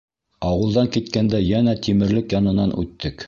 Ауылдан киткәндә йәнә тимерлек янынан үттек.